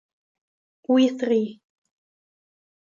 We Three